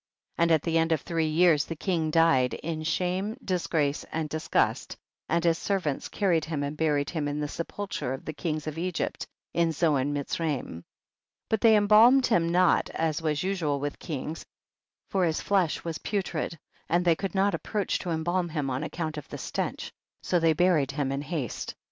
59. And at the end of three years, the king died, in shame, disgrace and disgust, and his servants carried him and buried him in the sepulchre of the kings of Egypt in Zoan Miz raim. 60. But they embalmed him not as was usual with kings, for his flesh was putrid, and they could not ap proach to embalm him on account of the stench, so they buried him in haste. 61.